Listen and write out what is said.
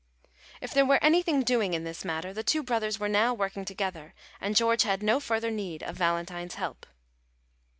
If there were anything doing in this matter, the two brothers were now working together, and George had no further need of Valentine's help.